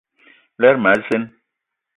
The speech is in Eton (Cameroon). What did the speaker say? Lerma a zeen.